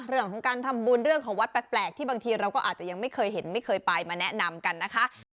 เรื่องของการทำบุญเรื่องของวัดแปลกที่บางทีเราก็อาจจะยังไม่เคยเห็นไม่เคยไปมาแนะนำกันนะคะ